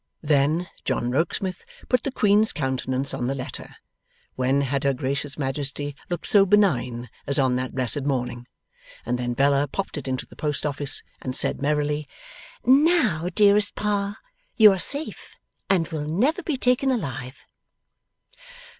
Then, John Rokesmith put the queen's countenance on the letter when had Her Gracious Majesty looked so benign as on that blessed morning! and then Bella popped it into the post office, and said merrily, 'Now, dearest Pa, you are safe, and will never be taken alive!